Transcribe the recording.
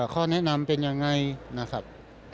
ข้อแนะนำเป็นยังไงนะครับ